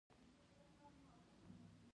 دوی ما ته چنداني د اهمیت په سترګه نه کتل.